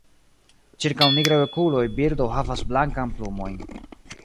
Ĉirkaŭ nigraj okuloj birdo havas blankan plumojn.